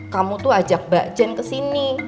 kamu tuh ajak mbak jen ke sini